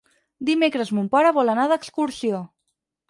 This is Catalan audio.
Dimecres mon pare vol anar d'excursió.